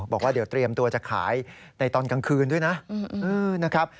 บอกว่าเดี๋ยวเตรียมตัวจะขายในตอนกลางคืนด้วยนะครับ